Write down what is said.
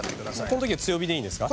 この時は強火でいいんですか？